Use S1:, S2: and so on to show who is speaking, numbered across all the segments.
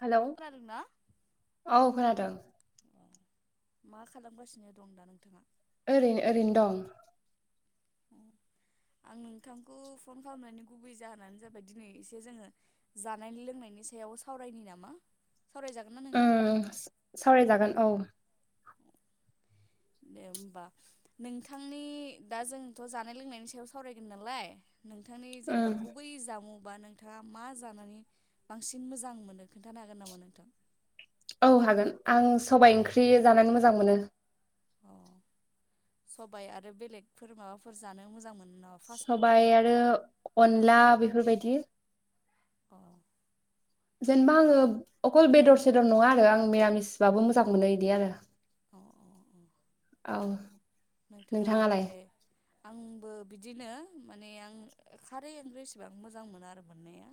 S1: Hello
S2: खोनादोंना
S1: औ खोनादों
S2: [inaudible]
S1: ओरैनो ओरैनो दं।
S2: [inaudible] ना
S1: ओ
S2: नोंथां?
S1: सावरायजागोन औ
S2: दे होमबा नोंथांनि दा जोंथ' जानाय लोंनायनि सायाव सावरायगोन नालाय नोंथांनि जेनेबा
S1: उम
S2: गुबै जामुं बा नोंथाङा मा जानानै बांसिन मोजां मोनो खोन्थानो हागोन नामा नोंथां
S1: औ हागोन आं सबाइ ओंख्रि जानानै मोजां मोनो
S2: अ सबाय आरो बेलेगफोर माबाफोर जानो मोजां मोनो नामा फास्ट
S1: सबाय
S2: फुडफोराव?
S1: आरो अनला बेफोरबायदि
S2: औ
S1: जेनेबा आङो अखल बेदर सेदर नङा आरो आं मिरामिसबाबो मोजां मोनो बिदि आरो
S2: औ औ औ
S1: औ
S2: नोंथाङा आरो
S1: नोंथाङालाय
S2: बे आंबो बिदिनो माने आं खारै ओंख्रि एसेबां मोजां मोना आरो मोननाया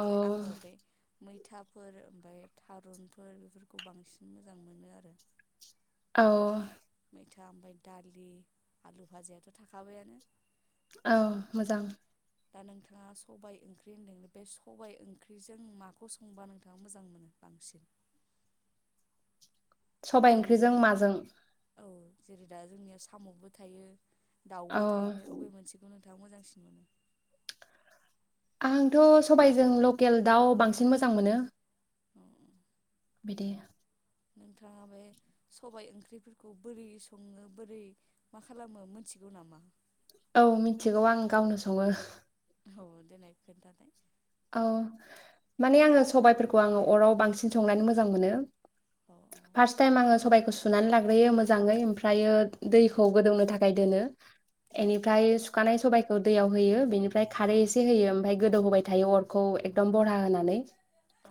S1: औ
S2: आंङो बे मैथाफोर ओमफाय थारुनफोर बेफोरखौ बांसिन मोजां मोनो आरो
S1: औ
S2: मैथा ओमफाय दालि आलु भाजायाथ' थाखाबायानो
S1: औ मोजां
S2: दा नोंथाङा सबाय ओंख्रि होन्दों बे सबाइ ओंख्रिजों माखौ संबा नोंथाङा मोजां मोनो बांसिन
S1: सबाय
S2: जेरै जों
S1: ओंख्रिजों माजों?
S2: औ जेरै दा जोंनिया साम'बो थायो
S1: औ
S2: दाउबो थायो अबे मोनसेखौनों थांआ मोजांसिन मोनो
S1: आंथ' सबायजों लकेल दाउ बांसिन मोजां मोनो
S2: औ औ
S1: बिदि
S2: नोंथाङा बे सबाय ओंख्रिफोरखौ बोरै सङो बोरै मा खालामो मोनथिगौ नामा?
S1: औ मिथिगौ आं गावनो सङो
S2: औ देनाय खोनथानाय
S1: औ माने आङो सबायाइफोरखौ आङो अराव बांसिन संनानै मोजां मोनो
S2: औ
S1: फार्स्ट टाइम आङो सबाइखौ सु नानै लाग्रोयो मोजाङै ओमफ्रायो दैखौ गोदौनो थाखा फायदोनो
S2: औ
S1: एनिफ्राय सुखानाय सबायाइखो दैयाव होयो बिनिफ्राय खारै एसे होयो ओमफ्राय गोदौ होबाय था थायो अरखौ एकदम बरहा होनानै
S2: औ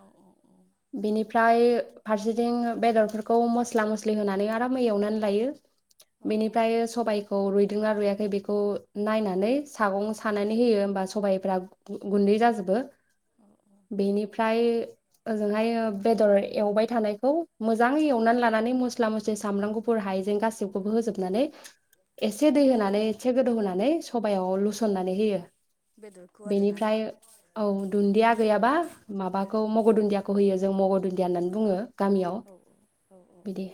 S1: बेनिफ्राय फारसेथिं बेदरफोरखौ मस्ला-मस्लि होनानै आरामै एवनानै लायो
S2: औ
S1: बेनिफ्राय सबायाइखौ रु रुयदों ना रुयाखै बेखौ नायनानै सागं सानानै होयो होनबा सबाय फोरा गु गुन्दै जा जोबो
S2: औ औ
S1: बेनिफ्राय ओजोंहाय बेदर एवबाय थानायखौ मोजाङै एवनानै लानानै मस्ला-मस्लि सामब्राम गुफुर हायजें गासिखौबो होजोबनानै एसे दै
S2: बेदर
S1: होनानै एसे गोदौ
S2: औ
S1: होनोनानै सबायाव लुस खननानै होयो।
S2: बेदरखौ आरोना
S1: बेनिफ्राय औ दुन्दिया गैयाबा माबाखौ मग' दुन्दियाखौ होयो जों मग' दुन्दिया होननानै बुङो। गामियाव
S2: औ औ औ
S1: बिदि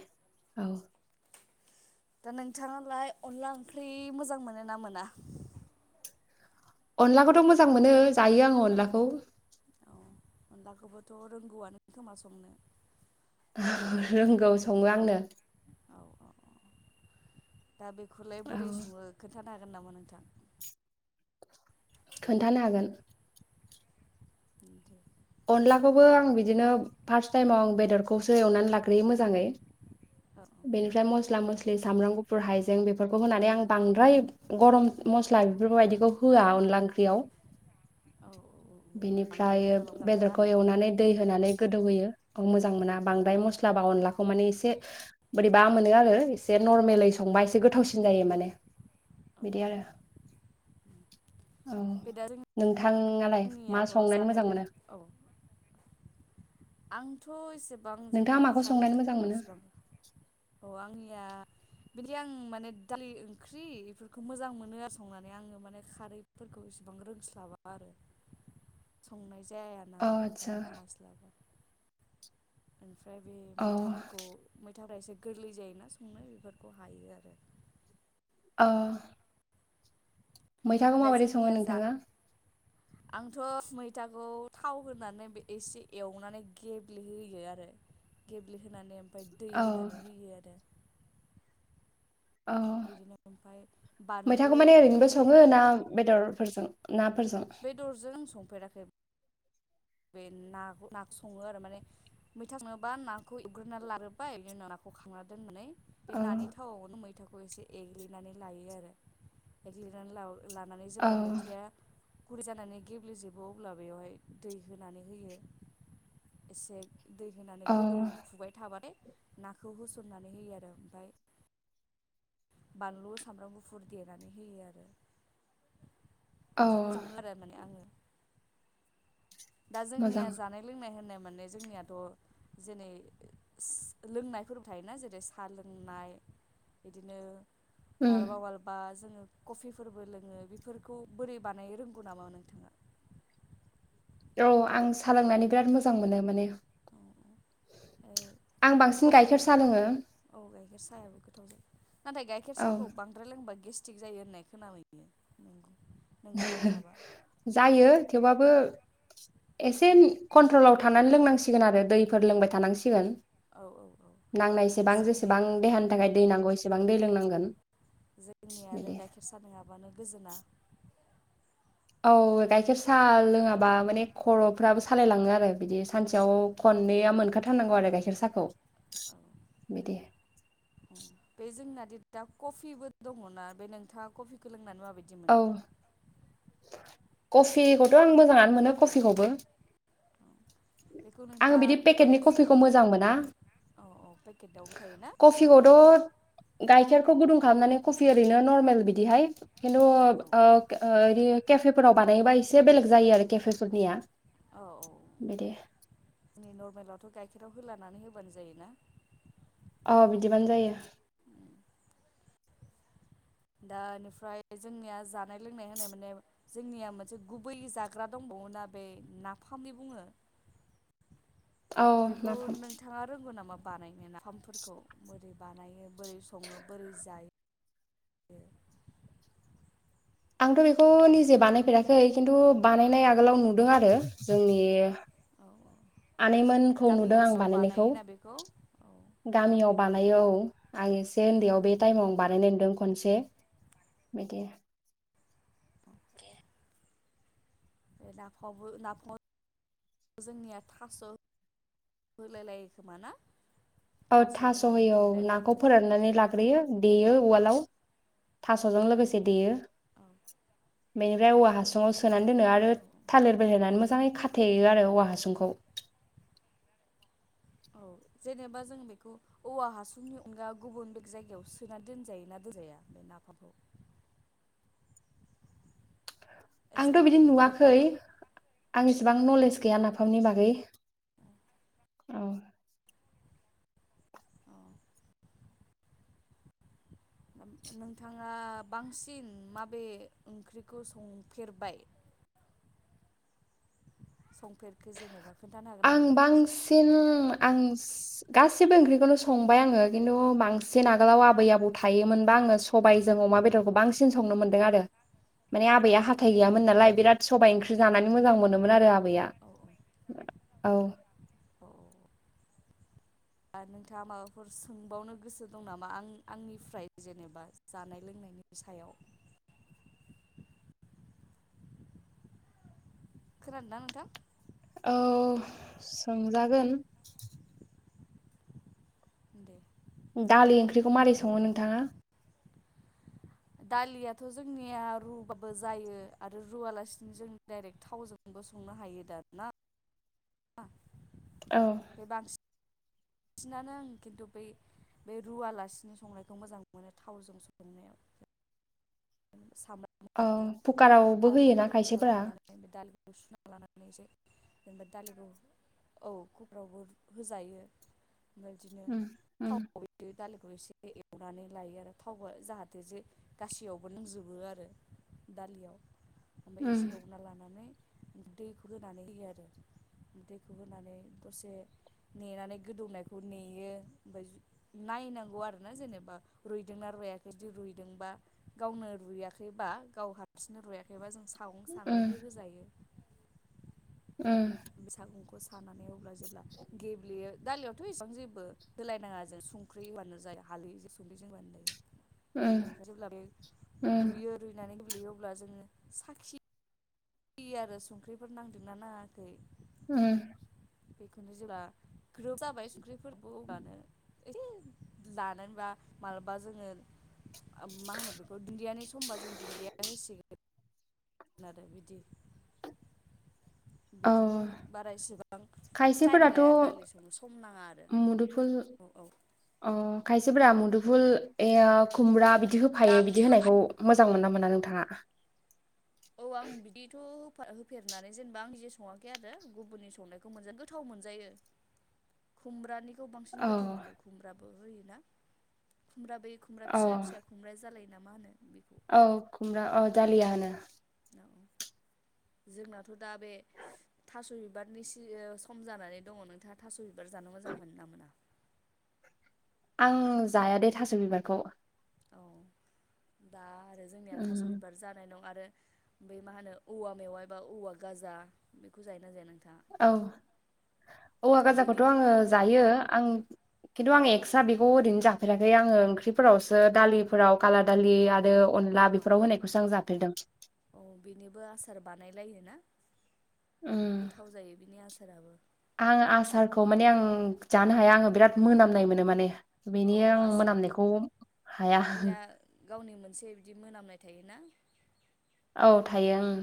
S1: औ
S2: दा नोंथाङालाय अनला ओंख्रि मोजां मोनो ना मोना?
S1: अनलाखौथ' मोजां मोनो जायो आङो अनलाखौ।
S2: औ अनलाखौबोथ' रोंगौआनो खोमा संनो?
S1: औ रोंगौ सङो आंनो।
S2: औ औ दा बेखौलाय
S1: औ
S2: बोरै सङो? खिथानो हागोन नामा नोंथां?
S1: खोन्थानो हागोन।
S2: ओम दे
S1: अनलाखौबो आं बिदिनो फार्स्ट टाइमाव आं बेदरखौसो एवनानै लाग्रोयो मोजाङै।
S2: औ
S1: बेनिफ्राय मस्ला मस स्लि सामब्राम गुफुर, हाइजें बेफोरखौ होनानै। आं बांद्राय गरम मस्ला बेफोरबायदिखौ होआ अनला ओंख्रियाव।
S2: औ औ बांद्राय मस्ला बांबां
S1: बेनिफ्रायो
S2: मोना
S1: बेदरखौ
S2: आरोना
S1: एवनानै दै होनानै गोदौ होयो। माजां मोना बांद्राय माब्ला बा अनलाखौ माने एसे बोरैबा मोनो आरो एसे नर्मेलै
S2: अ
S1: संबा एसे गोथावसिन जायो माने।
S2: औ
S1: बिदि
S2: औ
S1: आरो
S2: बे दारों
S1: थांलाय मा संनानै मोजां मोनो?
S2: औ आंथ' एसे गोबां
S1: नोंथाङा
S2: जेनेबा
S1: माखौ
S2: खारै
S1: संनानै मोजां
S2: ओंख्रिफोर
S1: मोनो
S2: इसिबां औ आंनिया बिदि आं माने दालि ओंख्रि बेफोरखौ मोजां मोनो आरो संनानै आङो। माने खारैफोरखौ इसेबां रोंस्लाबा आरो। संनाय जाया
S1: अ
S2: नालाय
S1: आदसा
S2: ओंखायनो बा हास्लाबा। ओमफ्राय बे
S1: अ
S2: मैथाफोरखौ मैथाफोरा एसे गोरलै जायोना संनो बेफोरखौ हायो। आरो
S1: ओ मैथाखौ
S2: दा
S1: माबायदि सङो
S2: जोंनिया जा
S1: नोंथाङा?
S2: आंथ' मैथाखौ थाव होनानै बे एसे एवनानै गेब्लेहोयो आरो गेब्ले होनानै ओमफ्राय दै
S1: अ
S2: होनानै होयो आरो।
S1: औ।
S2: बिदिनो ओमफ्राय
S1: मैथाखौ
S2: बानलु
S1: माने ओरैनोबो सङो ना बेदरफोरजों? ना
S2: बेदरजों आं संफेराखै बे ना नाखौ सङो आरो माने मैथा संनोबा नाखौ एवग्रोनानै लाग्रोबाय बिनि उनाव नाखौ खांना दोननानै बे
S1: औ
S2: नानि थावावनो मै थाखौ एसे एग्लिनानै लायो आरो एग्लिनानै लाबा लानानै
S1: औ
S2: जेब्ला मैथाया गुरै जानानै गेब्लेजोबो अब्ला बेवहाय दै होनानै होयो एसे दै होनानै
S1: औ
S2: गोदौफुबाय थाबाथाय नाखौ होसननानै होयो आरो ओमफ्राय बानलु सामब्राम गुफुर देनानै होयो आरो
S1: औ
S2: बिदिनो सङो आरो माने आङो दा
S1: मोजां
S2: जोंनिया जानाय लोंनाय होननाय माने जोंनियाथ' जेनै लोंनायफोरबो थायोना जेरै सा लोंनाय बिदिनो
S1: उम
S2: मालाबा मालाबा जि जोङो कफिफोरबो लोङो बेफोरखौ बोरै बानायो रोंगौ नामा नोंथाङा
S1: औ आं सा लोंनानै बिराद मोजां मोनो माने
S2: औ औ
S1: आं
S2: बे
S1: बांसिन
S2: कफि
S1: गाइखेर साहा
S2: औ
S1: लोङो
S2: औ गायखेर सा गोथावजा नाथाय गाइखेर
S1: औ
S2: साहखौ बांद्राय लोंबा गे गेस्टिक जायो होननाय खोनाबायो नंगौ नंगौना नङाबा
S1: जायो थेवबाबो एसे कन्ट्रलाव थानानै लोंनांसिग बसिगोन आरो दैफोर लोंबाय थानांसिगोन
S2: औ औ
S1: नांनायसेबां
S2: जोंनि
S1: जेसेबां देहानि थाखाय दै नांगौ एसेबां दै लोंनांगोन
S2: जोंनि आरो
S1: बिदि
S2: गाइखेर साहा नङाबानो गोजोना
S1: औ गाइखेर साहा लोङाबा माने खर'फ्राबो सालायलाङो आरो बिदि
S2: औ
S1: सानसेयाव खननैआ मोनखाथारनांगौ आरो गाइखेर साखौ
S2: औ बे जोंना दा कफिबो दङना बे नोंथाङा कफिखौ लोंनानै माबा बायदि मोनो
S1: औ कफिखौथ' आं मोजाङानो मोनो कफिखौबो
S2: बेखौ
S1: आङो
S2: नोंथाङा
S1: बिदि
S2: बोरै
S1: पेकेटनि कफिखौ
S2: फुदुङो?
S1: मोजां मोना
S2: औ औ पेकेटावबो थायोना?
S1: कफिखौथ' गाइखेरखौ गुदुं खालामनानै कफि ओरैनो नरमेल बिदिहाय
S2: औ औ
S1: हेल' [unintelligible] केफे फोराव बानायोबा एसे बेलेग जायो आरो केफे फोरनिया
S2: औ
S1: बिदि।
S2: लावथ' गाइखेराव होलानानै होबानो जायोना।
S1: अह बिदिबानो जायो।
S2: दा बेनिफ्राय जोंनिया जानाय लोंनाय होननाय माने जोंनिया मोनसे गुबै जाग्रा दंबावोना बे नाफामदि बुङो।
S1: औ
S2: बेखौ
S1: नाफाम
S2: नोंथाङा रोंगौ नामा बानायनो नाफामफोरखौ बोरै बानायो बोरै सङो, बोरै जायो? [unintelligible]
S1: आंथ' बेखौ निजे बानायफेराखै खिन्थु बानायनाय आगोलाव नुदों आरो जोंनि
S2: औ
S1: आनैमोनखौ
S2: गामि
S1: नुदों आं
S2: ओनसोलाव
S1: बानायनायखौ,
S2: बानायोना बेखौ औ
S1: गामियाव बानायो औ। आं एसे
S2: औ
S1: उन्दैयाव बे टाइमाव आं बानायनाय नुदों। खनसे बिदि।
S2: ओ नाफामावबो नाफामाव जोंनिया थास' होलाय लायो खोमा ना?
S1: औ थास'
S2: होनानै
S1: होयो औ,
S2: देलाय लायो
S1: नाखौ
S2: खोमा
S1: फोराननानै लाग्रोयो देयो उवालाव थास'जों लोगोसे देयो।
S2: औ औ
S1: बेनिफ्राय औवा हासुङाव सोनानै दोनो आरो
S2: औ
S1: थालिर बेहेरनानै मो मोजाङै खाथेयो आरो औवा हासुंखौ।
S2: औ जेनेबा जों बेखौ औवा हासुंनि अनगा गुबुन बेलेग जायगायाव सोना दोनजायो ना दोनजाया बे नाफामखौ? एसे
S1: आंथ' बिदि नुवाखै
S2: बथलफोर
S1: आं इसिबां नलेज गैया
S2: औ
S1: नाफामनि बागै। औ।
S2: अह। ओम नोंथाङा बांसिन माबे ओंख्रिखौ संफेरबाय संफेरखो जेनेबा खोन्थानो हागोन नामा
S1: आं
S2: नोंथांसो
S1: बांसिन आं गासिबो ओंख्रिखौनो संबाय आङो। खिन्थु बांसिन आगोलाव आबै आबौ थायोमोनबा आङो सबायजों अमा बेदरखौ बांसिन संनो मोनदों आरो माने आबैया हाथाइ गैयामोन नालाय बिराद
S2: औ
S1: सबाइ ओंख्रि
S2: सबायजों औ
S1: जानानै मोजां मोनोमोन आरो आबैया। औ
S2: अह। नोंथाङा माबाफोर सोंबावनो गोसो दं नामा आं आंनिफ्राय जेनेबा जानाय लोंनायनि सायाव? खोनादोंना नोंथां?
S1: औ सोंजागोन।
S2: दे।
S1: दालि ओंख्रिखौ मारै सङो नोंथाङा?
S2: दालियाथ' जोंनिया रुबाबो जायो आरो रुवालासिनो जों डाइरेक्ट थावजोंबो संनो हायो दा ना? [unintelligible]
S1: औ।
S2: बांसिनानो आ खिन्थु बै बे रुवालासिनो संनायखौ मोजां मोनो थावजों संनायाव साम'
S1: औ कुकारावबो होयोना खायसेफोरा
S2: सै जेनेबा दालिखौ औ खब्रावबो होजायो ओमफ्राय बिदिनो
S1: उम उम
S2: थाव दालिखौ एसे एवनानै लायो आरो थाव जाहाथे जे गासैयाव बो लोंजोबो आरो दालियाव ओमफ्राय
S1: उम
S2: एसे एवना लानानै दैखौ होनानै होयो आरो दैखौ होनानै दसे नेनानै गोदौनायखौ नेयो ओमफ्राय नायनांगौ आरोना जेनेबा रुइदोंना रुयाखै जदि रुइदोंबा गावनो रुइयाखैबा गाव हारसिंनो रुयाखैबा जों सा सागं
S1: उम
S2: सानानैबो होजायो
S1: ओ
S2: बेै सागंखौ साना नै अब्ला जेब्ला गेब्लेयो दालियावथ' एसेबां जेबो होलायनाङा जों संख्रि होबानो जायो हालदै संख्रिजों होब्लानो जायो
S1: उम
S2: ओमफ्राय जेब्ला बे
S1: उम
S2: रुयो रुइनानै गेब्लेयो अब्ला जोङो साखि खियो आरो संख्रिफोर नांदोंना नाङाखै
S1: उ
S2: बेखौनो जेब्ला ग्रोब जाबाय सुंख्रि फोरखौ होबानो एसे लानानैबा मालाबा जोङो मा होनो बेखौ दुन्दियानि समबा जों दुन्दिया होसिगोन आरो बिदि
S1: औ
S2: बिदिनो बारा एसेबां टाइम
S1: खायसेफोराथ'
S2: लाया दालि संनो सम नाङा आरो
S1: मुदुफुल
S2: औ औ
S1: अ खायसेफोरा मुदुफुल खुमब्रा बिदि बिदि होफायो बिदि होनायखौ मोजां मोनोना मोना मोना नोंथाङा
S2: औ आं बिदिथ' हो होफेरनानै जेनेबा आं जे सङाखै आरो गुबुननि संनायखौ मोनजख गोथाव मोनजायो खुमब्रानि खौ बांसिन
S1: औ
S2: गोथाव मोनो खुमब्रा बो होयोना खुमब्रा बै खुमब्रा
S1: औ
S2: फिसा फिसा खुमब्रा जालाय ना मा होनो बेखौ
S1: औ खुमब्रा औ [inaudible]
S2: जोंनाथ' दा बे थास' बिबारनि सि सम जानानै दङ नोंथाङा थास' बिबार जानो मोजां मोनोना मोना
S1: आं जायादे थास' बिबारखौ
S2: औ दा आरो जोंनिया
S1: उम
S2: थास' बिबार जानाय दं आरो बै मा होनो औवा मेवाय बा औवा गाजा बेखौ जाय ना जाया नों
S1: औ औवा
S2: दा बेनि
S1: गाजाखौथ' आङो जायो आं। खिन्थु आं एक्सट्रा बेखौ ओरैनो जाफेराखै आङो ओंख्रिफोरावसो दालिफोराव काला दालि आरो। अनला
S2: अ अ
S1: बेफोराव होनायखौसो आं जाफेरदों
S2: अ औ बेनिबो आसार बानायलायो ना।
S1: ओम
S2: बिनि आसाराबो
S1: आं आसारखौ माने आं जानो हाया आङो। बिराद मोनामनाय मोनो माने।
S2: अ
S1: बेनि
S2: अ
S1: आं
S2: आस
S1: मोनामनायखौ हाया।
S2: बिना गावनि मोनसे बिदि मोनामनाय थायोना।
S1: औ थायो ओं।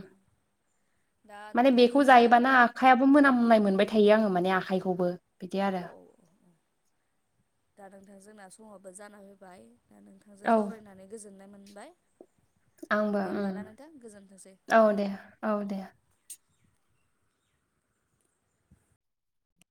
S2: दा
S1: माने
S2: नोंथां
S1: बेखौ
S2: जोंना
S1: जायोबाना आखायाबो
S2: औ
S1: मोनाम नाय मोनबाय थायो आङो। माने आखाइखौबो। बिदि
S2: औ
S1: आरो
S2: औ दा नोंथां जोंना। समआबो जाना फैबाय। नोंथांजों
S1: औ
S2: सावरायनानै गोजोननाय मोन। बाय।
S1: आंबो ओम
S2: गोजोनथोंसै।
S1: औ दे औ दे।